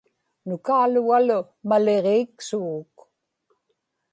nukaalugalu maligiiksuguk